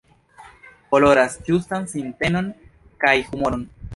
Koloras ĝustan sintenon kaj humoroj.